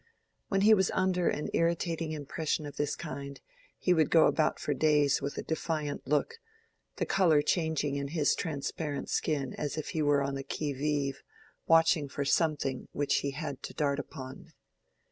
When he was under an irritating impression of this kind he would go about for days with a defiant look, the color changing in his transparent skin as if he were on the qui vive, watching for something which he had to dart upon.